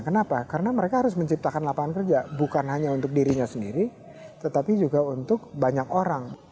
kenapa karena mereka harus menciptakan lapangan kerja bukan hanya untuk dirinya sendiri tetapi juga untuk banyak orang